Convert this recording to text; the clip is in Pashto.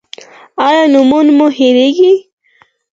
ایا نومونه مو هیریږي؟